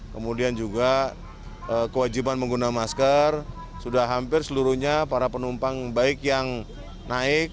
kemudian juga kewajiban menggunakan masker sudah hampir seluruhnya para penumpang baik yang naik